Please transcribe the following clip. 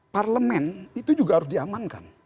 parlemen itu juga harus diamankan